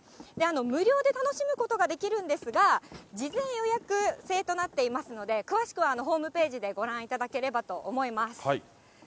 無料で楽しむことができるんですが、事前予約制となっていますので、詳しくはホームページでご覧いただければと思います。